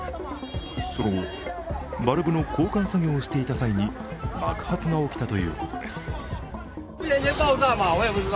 その後、バルブの交換作業をしていた際に爆発が起きたということです。